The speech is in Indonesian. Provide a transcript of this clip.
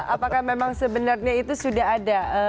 apakah memang sebenarnya itu sudah ada